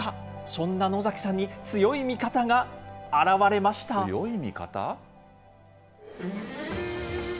そんな野崎さんに、強い味方が現強い味方？